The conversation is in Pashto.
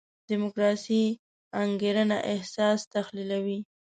دیموکراسي انګېرنه اساس تحلیلوي.